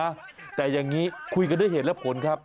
แต่อย่างนี้คุยกันด้วยเหตุและผลครับ